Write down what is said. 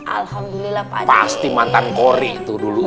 alhamdulillah pasti mantan kori tuh dulu